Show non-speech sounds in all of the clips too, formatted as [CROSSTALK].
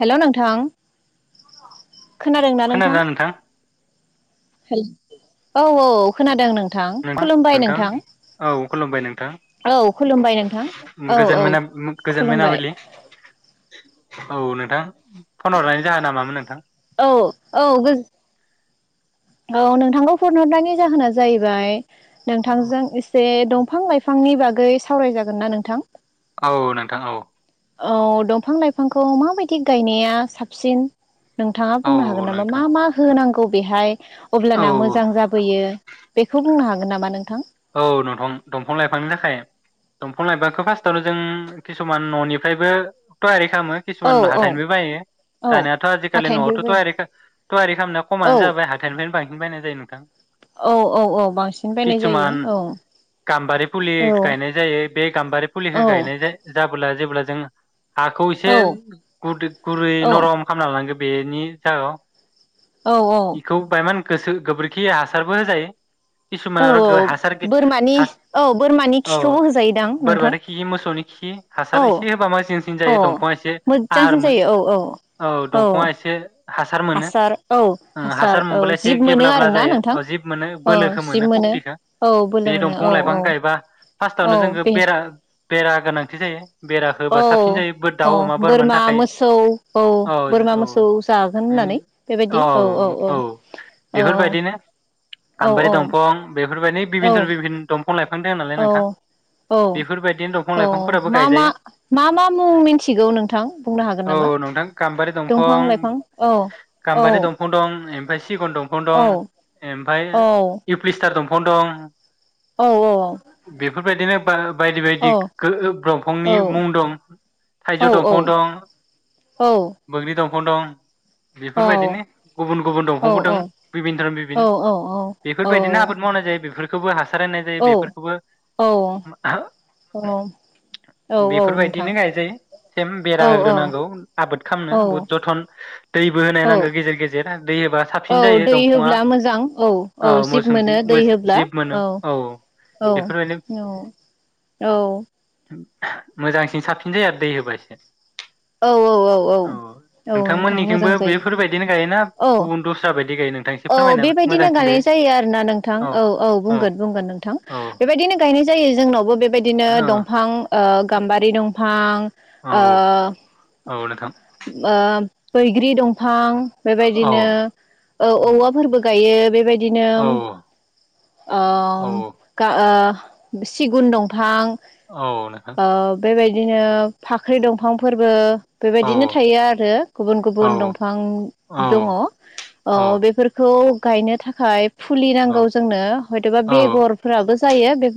हेल' नोंथां खोनादों ना नोंथां? हेल औ औ खोनादों नों नोंथां खुलुमबाय नोंथां औ खुलुमबाय नोंथां औ खुलुमबाय नोंथां औ गोजोन औ मोना गोजोन खुलुमबाय। मोनाबिलि औ नोंथां फन हरनायनि जाहोना मामोन नोंथां? औ औ गो औ नोंथांखौ फन हरनायनि जाहोना जाहैबाय नोंथांजों एसे दंफां लाइफांनि बागै सावराय जागोन ना नोंथां? औ नोंथां औ औ दंफां लाइफांखौ माबायदि गायनाया साबसिन नोंथाङा औ बुंनो हागोन नामा नोंथां मा मा होनांगौ? बेहाय औ अब्लाना मोजां जाबोयो बेखौ बुंनो हागोन नामा नोंथां? औ नंथां दंफां लाइफांनि थाखाय दंफां लाइफांखौ फार्स्टआवनो जों किसुमान न'निफ्रायबो टरेक्ट खालामो औ किसुमान औ हाथाइनिबो बायो औ दानियााथ' आजिखालि न'आवथ' हाथाइनिफ्राय थयारि बायो थयारि खालामनाया खमानो औ जाबाय हाथाइनिफ्रायनो बांसिन बायनाय जायो नोंथां औ औ औ बांसिन बायनाय किसुमान जायो औ गाम्बारि फुलि औ गायनाय जायो बे गाम्बारि फुलिखौ औ गायनाय जाबा बला जेबला जोङो हाखौ एसे औ गुदै गुरै औ नरम खालामना लांजोब बेनि जा औ औ इखौ बायमान गोसो गोबोरखि हासारबो जायो। किसुमान आरो औ हासार बोरमानि औ बोरमानि औ खिखौबो होजायोदां नोंथां बोरमानि खि मोसौनि खि औ हासार एसे होब मा जिं जिं औ जायो दंफाङा एसे आहार मोजांसिन मोन जायो औ औ दंफाङा एसे हासार मोनो औ हासार औ मोनबोला एसे जिब मोनो गेबब्लाबब्ला आरोना जायो नोंथां औ जिब मोनो औ बोलोखौ जिब मोनो सक्तिखो औ बोलो बे मोनो औ दंफं लाइफां औ गायबा औ फार्स्टआवनो जों बे बेरा बेरा गोनांथि जायो। बेराखौ औ होबा साबसिन जायो बो औ दाउ अमा बोरमानि बोरमा थाखाय मोसौ औ बोरमा मोसौ जागोन होननानै बेबायदि औ औ औ औ बेफोरबायदिनो औ गाम्बारि औ दंफं औ [UNINTELLIGIBLE] दं नालाय औ नोंथां औ बेफोरबायदिनो दंफां औ लाइफांफोराबो मा मा गायजायो मा मा मुं मिथिगौ नोंथां बुंनो हागोन औ नामा नोंथां गाम्बारि दंफां दंफं लाइफां औ औ गाम्बारि दंफं दं ओमफ्राय सिगुन दंफं दं औ ओमफाय औ इफिसतार दं हन्दं औ औ औ फोरबायदिनोब बायदि बायदि गो ओ औ दंफांनि मुं दं थाइजौ औ औ दंफां दं बोग्रि दंफां औ दं बेफोरबायदिनो गुबुन गुबुन दंफांबो दं बिभिनद बिभिन बेफोरबायदिनो आबाद मावनाय जायो बेफोरखौबो हास हासारनाय जायो बेफोरखौबो औ औ औ नोंथां बेफोरबायदिनो गायजायो सेम बेरा औ औ होग्रोनांगौ आबाद खालामनो औ बहथ जोथोन दैबो होनाय औ नांगौ गेजेर गेजेर दै होबा औ साबसिन जायो दै दंफाङा होब्ला मोजां औ औ सिब मोनो। दै होब्ला जिब मोनो औ औ बेफोरबायदिनो औ औ मोजांसिन साबसिन जाया आरो दै होबाय औ औ नोंथां मोजां नोंथांमोननिथिंबो जायो बेफोरबायदिनो गायोना औ गुबुन दस्रा बायदि गायो। नोंथां एसे औ फोरमायना बेबायदिनो मोजांसिन गायनाय जायो आरो ना नोंथां औ औ बुंगोन बुंगोन नोंथां औ बेबायदिनो गायनाय जायो जोंनावबो बे बेबायदिनो औ दंफां ओ औ गाम्बारि दंफां ओ औ नोंथां ओ। बैग्रि दंफां औ बेबायदिनो ओ औवा फोरबो गा यो बेबायदि दिनो औ औ ओम गा ओ सिगुन दंफां औ नोंथां। दिनो फाख्रि दंफांफोरबो औ बेबायदिनो थायो आरो गुबुन औ गुबुन दंफां औ दङ। अ बेफोरखौ खौ गायनो थाखाय फुलि नांगौ जोंनो हयथ'बा बेगरफोराबो जायो बेफ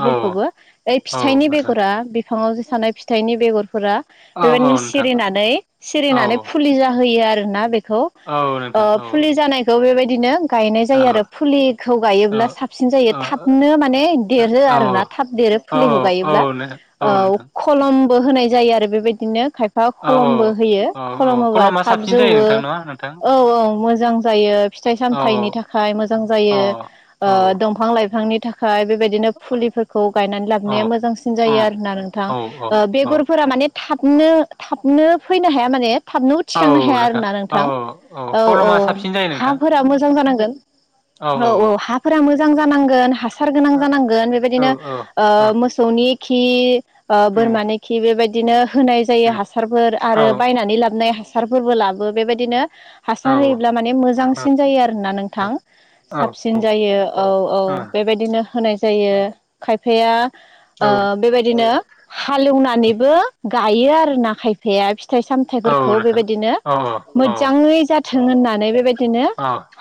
औ ओय औ फिथाइनि नोंथां बेगरा फाङाव जे थानाय फिथाइनि बेगरफोरा औ औ बेबायदिनो नोंथां सिरिनानै सिरिनानै औ फुलि जा होयो आरोना बेख औ नोंथां अ औ फुलि औ जानाय खौ बेबायदिनो गायनाय जायो औ आरो फुलिखौ गायोब्ला साबसिन जायो थाबनो माने देरो औ आरोना थाब देरो औ नो औ फुलिखौ गायोब्ला नोंथां ओ खलम बो होनाय जायो आरो बेबायदिनो खायफ फा औ खलमबो होयो औ औ खलम होबा कलमा थाब साबसिन जायो जौवो नोंथां नङा नोंथां औ औ मोजां जायो फिथाइ औ सामथाय नि थाखाय मोजां औ जायो ओ औ दंफां लाइफांनि थाखाय बेफ बायदिनो फुलिफोरखौ गायनानै लाबोना मोजांसिन जायो आरोना नोंथां औ औ ओ औ बेगरफोरा माने थाबनो थाबनो फैनो हाया माने थाबनो औ उथिखांनो हाया आरोना औ नोंथां औ औ कलमा साबसिन जायो नोंथां हाफोरा मोजां जानांगोन औ औ हाफोरा मो मोजां जानांगोन हास हासार गोनां जानांगोन औ बेबायदिनो औ ओ मोसौनि खि ओ औ बोरमानि खि बेबायदि बिदिनो होनाय जायो औ हासारफोर आरो औ बायनानै लाबोनाय हास हासारफोरबो लाबो बेबायदिनो औ हासार होयोब्ला माने मोजांसि सिन जायो आरो होनना नोंथां औ साबसिन जायो औ औ बेबायदिनो होनाय जायो खायफाया ओ बेबायदिनो हाल एवनानैबो गायो आरोना खायफाया फिथाइ सामथाइफोरखौ नोंथां बेबायदिनो औ औ औ मोजाङै थों होननानै बेबायदि दिनो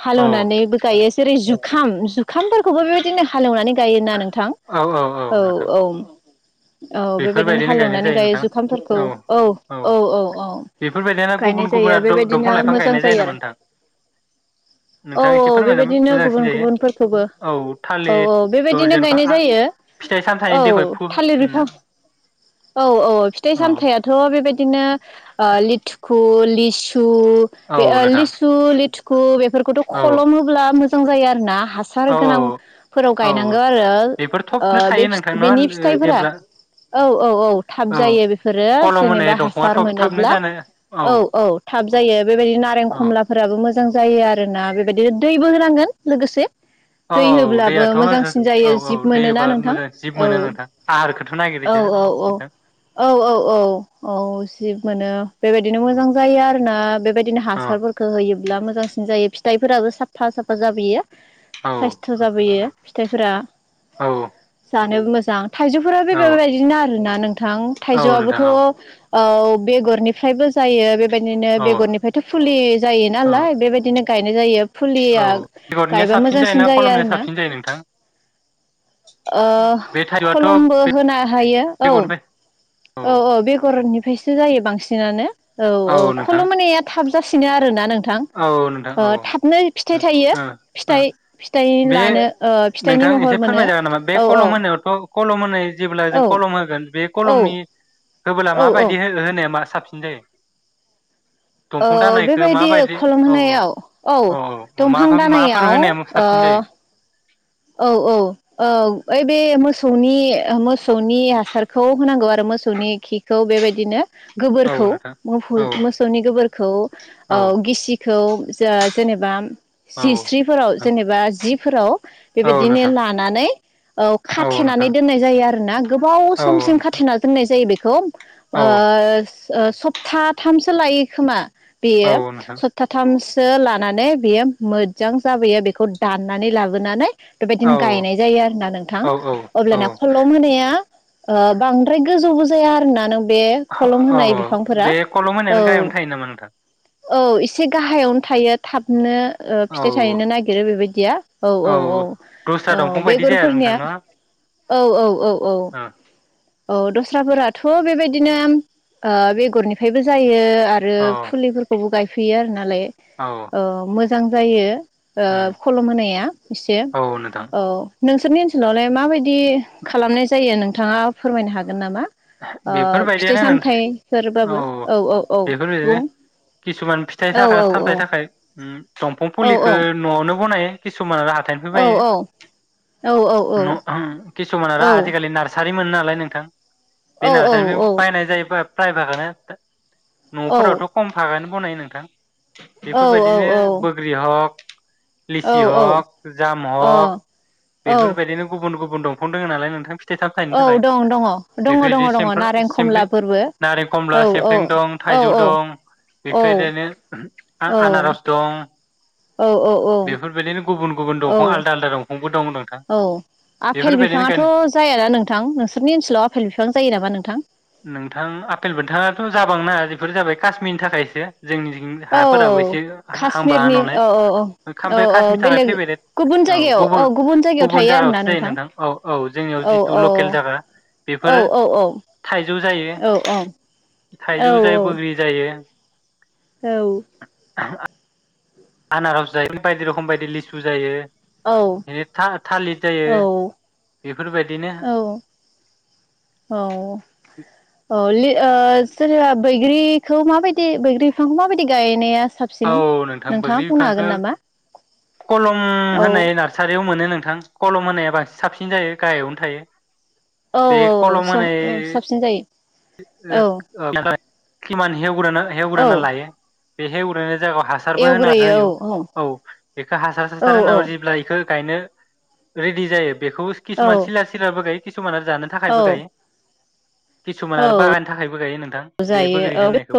हाल औ एवनानैबो गायो जेरै जुखाम जु खाम फोरखौबो बेबायदिनो हाल एवनानै गायोना नोंथां औ औ नोंथां औ औ बेबायदिनो बेफोरबायदिनो हाल गायनाय एवनानै जायो गायो नोंथां जुखामफोरखौ औ औ औ औ बेफोरबायदिनो गुबुन गायनाय गुबुन जायो दंफां बेबायदिनो लाइफां मोजां गायनाय जायो नामा नोंथां औ नोंथाङा औ एसे फोरमायना बेबायदिनो मोजांसिन गुबुन जायो गुबुनफोरखौबो औ औ थालिर औ दं बेबायदिनो जेन'बा गायनाय जायो फिथाइ सामथायनि औ दैखौ ओ थालिर बिफां औ औ फिथाइ सामथायाथ बेबायदिनो ओ लिटिखु लिसु बे औ ओ नोंथां लिसु लिटुखु बेफोरखौथ' औ खलम होब्ला मोजां सोंजायो आरोना हासार औ गोनां फोराव औ गायनांगो आरो बेफोर थबनो ओ बे थायो नोंथां फि बेनि न फिथाइ फोराव जेब्ला औ औ औ थाब जायो बेफोरो कलम होनाय जेनेबा दंफाङा हासार थब थाबनो मोनोब्ला जानो औ औ थाब जायो बेफोर जेरै नारें औ खमला फोराबो मोजां जायो आरोना बे दिनो दैबो होनांगोन लोगोसे औ दै होब्लाबो दैयाथ' मोजांसिन जायो औ औ जिब मोनोना दैबा नोंथां मोजां जिब मोनो नोंथां आहारखौथ' नागिरोसो औ-औ-औ नोंथां औ-औ-औ-औ औ जिब मोनो बेबायदिनो मोजां जायो आरो ना बेबायदि औ हासारफोरखौ हो ब्ला मोजांसिन जायो फिथाइफोराबो साफा साफा जाबोयो औ साइस्थ' जाबोयो फिथाइफोरा औ जानो थानोबो मोजां थाइजौफोराबो औ बेबायदिनो आरोना गोथां औ नोंथां थाइजौआबोथ' औ औ बेगरनिफ्रायबो जायो बेफोर बेबायदिनो औ बेगरनिफ्राय फुलि जायो औ नालाय बेबायदिनो गायनाय जायो औ फुलिया बेगरनिया गायबा साबसिन मोजांसिन जायोना जायो कलमनिया आरोना साबसिन जायो नोंथां बे थाइजौआथ' खलमबो बे होनो हायो औ बेगरनिफ्राय औ औ बेगरनि फ्रायसो जायो बांसिनानो औ औ खलम होनाया जासिनो आरोना नों नोंथां औ नोंथां औ थाबनो फिथाइ थायो ओ ओ फिथाइ फिथाइ बे लानो ओ फिथाइनि नोंथां महर एसे मोनो फोरमायजागोन नामा बे औ औ कलम होनायावथ' कलम होनाय जेब्ला औ जों खलम होगोन बे औ कलमनि होबोला औ औ माबायदि हो होनाया मा साबसिन सिन जायो अ दंफां दानायखौ बेबायदि क माबायदि खलम औ औ होनायाव औ औ मा दंफां माफोर दानायाव होनाया साबसिन जायो औ औ औ ओइ बे मोसौनि मोसौनि हासारखौ होनांगौ आरो मोसौनि खिखौ बेबायदिनो औ गोबोरखौ नोंथां औ मोसौनि गोबोरखौ ओ औ गिसि खौ ज जेनेबा जिस्रिफोराव औ जेनेबा जि फोराव औ बेबायदिनो नोंथां लानानै औ खाथेनानै दोननाय जायो आरोना गोबाव औ समसिम खाथेना दोननाय जायो बे खौ आ औ सप्ताथामसो लायो खोमा बेयो औ नोंथां सफ्ताथाम सो लानानै बेयो मोजां जाबोयो बेखौ दाननानै लाबोनानै औ बेबायदिनो गायनाय जायो आरोना नोंथां औ औ अब्लाना खलम होनाया बांद्राय गोजौबो जाया आरोना नों बे खलम औ होनाय बिफांफोरा बे कलम औ होनायानो गाहायावनो थायो नामा नोंथां औ एसे गाहायावनो थायो थाबनो फिथाइ औ थाहैनो नागिरो बेबायदिया औ औ औ दस्रा औ दंफां बायदि जाया आरो बेगरफोरनिया नोंथां ना औ औ औ औ औ दस्राफोराथ' बेबायदिनो बेगरनिफ्रायबो जायो आरो औ फुलिफोरखौबो गाय फैयार नालाय औ [UNINTELLIGIBLE] मोजां जायो उम खलम मोनाया एसे औ नोंथां औ नोंसोरनि ओनसोलावलाय माबायदि खालामनाय जायो नोंथाङा फोरमायनो हागोन नामा ओ फिथाइ बेफोरबायदियानो नोंथां औ सामथाइफोरबाबो औ औ बुं बेफोरबायदिनो किसुमान फिथाइ औ थाखाय औ औ फामथायाइ थाखाय दंफां औ फुलिखौ न'आवनो बनायो खिसुमान औ औ औ खिमान औ आजिखालि नार्स सारिमोनो नालाय नोंथां बे औ नार्सारिनिफाय बायनाय जायो बाप प्रायभाखोनो न'फोरावथ' खम थागोन। गनायो नोंथां बेफोरबायदिनो औ बोग्रि हक लिसि हक जाम हक अ औ बेफोरबायदिनो गुबुन गुबुन दं। फन दोङो नालाय नोंथां फिथ औ दं दङ दङ इदि दङ सेमफो नारें सेमफ्रें खमलाफोरबो नारेंखमला औ औ सेमफ्रें दं औ थायजौ दं औ बेफोरबायदिनो औ आ-आनारस दं औ औ बेफोरबायदिनो गुबुन गुबुन दंफां औ आलदा आलदा दं। दंफांबो नोंथां औ आफेल बेफोरबायदिनो बिफाङाथ' गायनो जायाना नोंथां नोंसोरनि ओनसोलाव? आफेल बिफां जायो नामा नोंथां? नोंथां आफेल बोन्थाङाथ' जाबां मा या बेफोर जाबाय काश्मीरनि थाखायसो। जोंनिथिं औ हाफोराबो इसे हामबा काश्मिरनि नुनाय औ औ औ औ औ बेलेग [UNINTELLIGIBLE] गुबुन औ जायगायाव गुबुन जायगायाव गुबुन थायो आरोना जागायावसो जायो नोंथां औ औ जोंनियाव जितु लकेल जागा। बेफोर औ औ औ थाइजौ जायो औ औ थाइजौ जायो बैग्रि जायो। यो औ [UNINTELLIGIBLE] आनारस जायो बायदि रोखम बायदि लिसु जायो। बिदि था-थालिर जायो। बेफोरबायदिनो औ औ औ लि ओ सोरहा‌ बैग्रिखौ माबायदि बैग्रि बिफांखौ माबायदि गायनायास औ नोंथां बैग्रि बिफांखौ कलम औ होननाय नार्सारियाव मोनो। नोंथां खलम होनाया बांसिन साबसिन जायो गाहायावनो थायो। औ औ औ समं ओ साबसिन जायो। [UNINTELLIGIBLE] किमान हेवग्रोना औ हेवग्रोना औ लायो। बे हेवग्रोनोद जागायाव हासारबो होना होयौ औ बेखौ हासार औ सासार होनाहो जेब्ला इखौ गायनो रेदि जायोब बेखौ औ खिसुमान सिलार सिलारबो गायो सुमाना जानो औ थाखायबो गायो। किसुमाना आरो बागाननि थाखायबो गायो नों औ जायो औ बे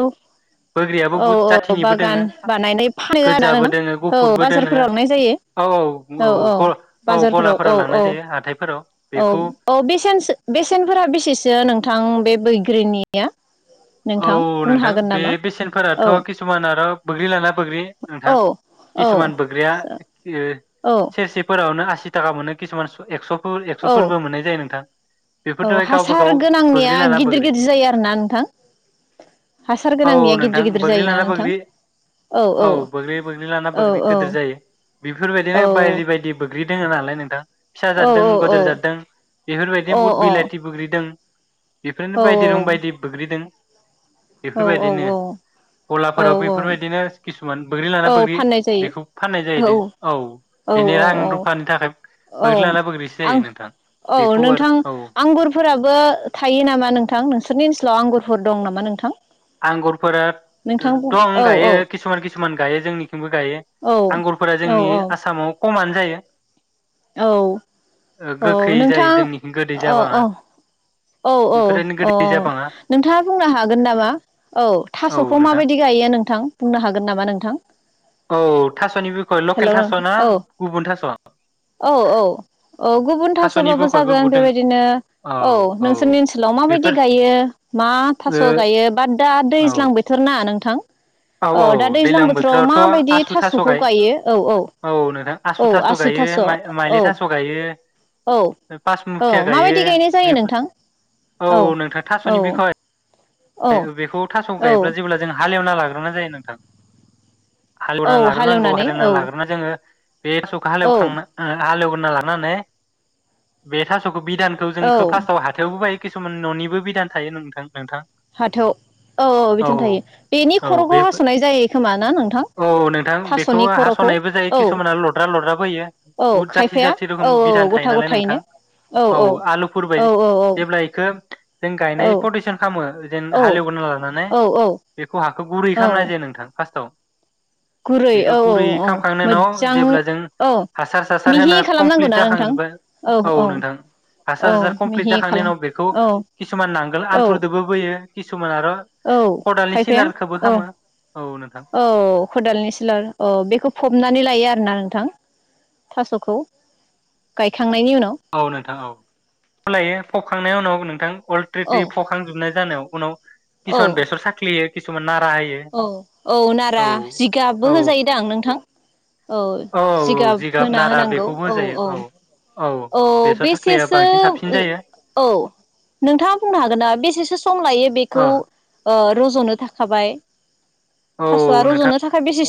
बोग्रियाबो औ बुहुत औ जाथिनिबो बागान दोङो बानायनाय फानो आरोना गोजाबो नोंना दोङो औ गुफुरबो दोङो बाजारफोराव लनाय जायो औ औ औ गला औ बाजारफोराव औ गलाफोराव औ लांनाय जायो हाथायफोराव औ बेखौ औ बेसे बेसेनफोरा बेसेसो नों नोंथां बे बैग्रिनिया औ नोंथां बुंनो नोंथां हागोन बे नामा बेसेनफोराथ औ किसुमान आरो बोगि् लाना बोग्रि नोंथां औ औ किसुमान बोग्रिया औ [UNINTELLIGIBLE] सेरसे फोर नो आसि थाखा मोनो किसुमान एकस' खौ एक्स' औ फोरबो मोननाय जायो नोंथां औ बेफोरथ' गावबा हासार गाव बोग्रि गोनांनिया लाना गिदिर बोग्रि गिदिर जायो आरो ना नोंथां? हासार औ गोनांनिया नोंथां गिदिर गिदिर जायोना बोग्रिलाना नोंथां बोग्रि औ बोग्रि बोग्रिलाना औ बोग्रि औ गिदिर जायो औ बेफोरबायदिनो बायदि बायदि बो ग्रि दोङो नालाय नोंथां। फिसा औ जाद दों औ अ गोदोर जाद दों औ बेफोरबायदि औ बहुत बिलाथि बैग्रि दों बेफोरनो बायदि रुम बायदि बैग्रि दं [INAUDIBLE] औ औ औ गलाफोराव बेफोरबायदिनो किस मोन बोग्रि लाना औ बैग्रि फाननाय बेखौ जायो फाननाय जाहैदों औ औ बेनि औ रां औ दखाननि थाखाय औ बोग्रि लाना बोग्रिसो आं जायो नोंथां औ बेखौ नोंथां आरो औ आंगुरफोराबो थायो नामा नोंथां नोंसोरनि इनसोलाव? आंगुरफोर दं नामा नोंथां? आंगुरफोरा नोंथां बुंनो दं औ औ गायो किसुमान किसुमान गायो जोंनिथिंबो गायो औ आंगुरफोरा औ जोंनि आसामाव कमानो जायो औ ओ औ गोखै नोंथां जायो जोंनिथिं गोदै औ जाबाङा अ औ औ बेफोरनो अ गोदै जाबाङा नोंथाङा बुंनो हागोन नामा? मा औ थासखौ माबायदि गायो नोंथां? बुंनो हागोन नामा नोंथां? औ थासनि बिखय लकेल हेल' थास नोंथां ना औ गुबुन थास? औ औ गुबुन थास'नि थासबाबो बिखयबो जागोन बुदों बेबायदिनो औ नोंसोरनि ओनसोलाव माबायदि बेफोर गायो मा थास ओ गायो बा दा औ दैज्लां बोथोर ना? आ नोंथां। औ दा दैज्लां दैलां बोथोराव बोथोरावथ' माबायदि आसु थास' थास'खौ गाय गायो औ औ। आसु थास' गायो माइलि थास' गायो। [UNINTELLIGIBLE] औ औ पासमुखिया मा गायो बायदि गायनाय जायो बेफोर नोंथां? औ नोंथां औ थास'नि बिखय औ बेखौ थास' औ गायोब्ला जेब्ला जों हालेव खाना‌ लाग्रोना जायो नोंथां हालेवनानै औ लाग्रोनांगौ हालेवनानै हालिवना औ लाग्रोना जोंङो बेखौ औ हालेवखांना हालेव लानाने बे थास बिधानखौ जों औ खोब फार्स्टआव हाथायावबो बायो किसुमान न'निबो बिदान थायो नोंथां नोंथां। हाथाव औ औ बिथन थायो बेनि औ खर'खौ बे हासनाय जायो खोमा ना नोंथां औ नोंथां बेखौ थास'नि खर'खौ हास'नायबो जायो औ किसुमाना लद्रा लद्राबो होयो औ बुहुद जाथि खायफाया जाथि रोखोम औ औ बिधान थायो गथा नालाय नोंथां गथायैनो औ औ आलुफोर औ बायदि औ औ। जेब्ला इखो जों औ गायनाय प्रटेकसन खालामो औ हालेवगोरना लानानै औ बेखौ हाखौ गुरै खालामनाय औ जायो नोंथां फासथाव गुरै बेखौ औ औ गुरै औ खामखांनायनि उनाव मोजां जेब्ला जों औ हासार सासार मिहि होना कमप्लिट खालामनांगौना नोंथां जाखांजोबबाय। औ नोंथां औ हासार सासार कमप्लिट मिहि जाखांनायनि खालाम उनाव बेखौ औ किसुमान नांगोल औ आन्थुरदोबो बोयो। किसुमान आरो औ खदालनि खायफाया सिलारखौबो औ खामो औ नोंथां औ खदालनि सिलार औ बेखौ फबनानै लायो आरोना नोंथां? थास'खौ गाय औ नोंथां औ खलायो। हुखांनायनि उनाव नोंथां औ अलट्रेटिप फखांजोबनाय जानायाव उनाव औ किसन बेसर साख्लि किसुमान नाथ औ औ नारा औ जिगाबबो होजायोदां नोंथां? औ औ जिगाब फोना नारा होनांगौ बेखौबो औ होजायो औ। औ बेसर साख्लिया बेसेसो बांसिन साबसिन जायो औ नोंथाङा बुंनो हागोन ना बेसेसो सम लायो बेखौ औ ओ रज'नो थाखाबाय औ थास'आ नोंथां रज'नो थाखाय बेसे